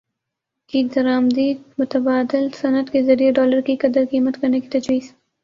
کی درامدی متبادل صنعت کے ذریعے ڈالر کی قدر کم کرنے کی تجویز